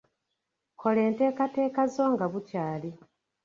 Kola enteekateeka zo nga bukyali.